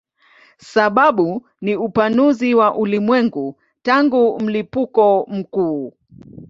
Sababu ni upanuzi wa ulimwengu tangu mlipuko mkuu.